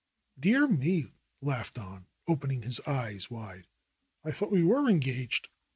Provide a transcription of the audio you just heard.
"Dear me !" laughed Don, opening his eyes wide. "I thought we were engaged."